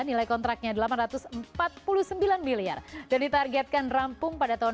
nilai kontraknya delapan ratus empat puluh sembilan miliar dan ditargetkan rampung pada tahun dua ribu dua